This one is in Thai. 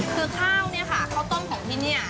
คือข้าวเนี่ยค่ะข้าวต้มของที่นี่